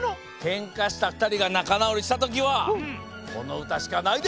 けんかしたふたりがなかなおりしたときはこのうたしかないでしょう！